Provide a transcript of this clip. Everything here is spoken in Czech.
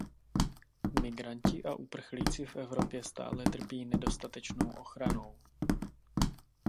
Migranti a uprchlíci v Evropě stále trpí nedostatečnou ochranou.